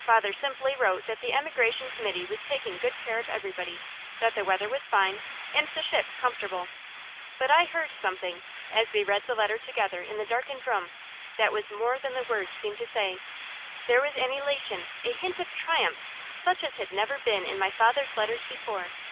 Father simply wrote that the emigration committee was taking good care of everybody, that the weather was fine, and the ship comfortable. But I heard something, as we read the letter together in the darkened room, that was more than the words seemed to say. There was an elation, a hint of triumph, such as had never been in my father's letters before.